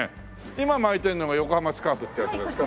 今巻いてるのが横浜スカーフってやつですか？